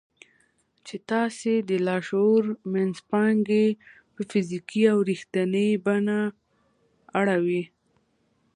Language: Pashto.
چې ستاسې د لاشعور منځپانګې په فزيکي او رښتينې بڼه اړوي.